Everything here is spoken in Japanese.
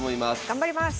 頑張ります！